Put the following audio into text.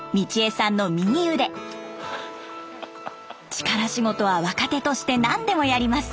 力仕事は若手として何でもやります。